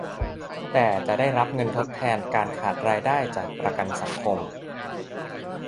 แต่จะได้รับเงินทดแทนการขาดรายได้จากประกันสังคม